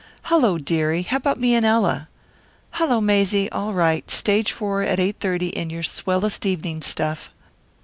"Hullo, dearie! How about me and Ella?" "Hullo, Maizie. All right. Stage Four, at 8:30, in your swellest evening stuff."